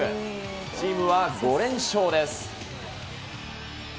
チームは５連勝です。